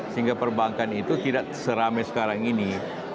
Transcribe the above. sehingga perbankan itu tidak seramai sekarang ini